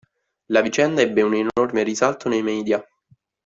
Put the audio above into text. La vicenda ebbe un enorme risalto nei media.